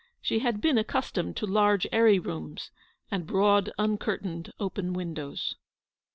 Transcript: She had been accustomed to large airy rooms, and broad uncurtained open windows.